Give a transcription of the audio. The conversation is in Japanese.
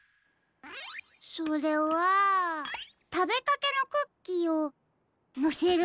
それはたべかけのクッキーをのせるため？